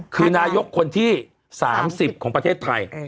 คือนายกคนที่๓๐ของประเทศไทย